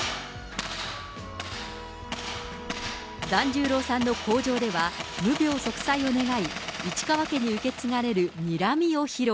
團十郎さんの口上では、無病息災を願い、市川家に受け継がれるにらみを披露。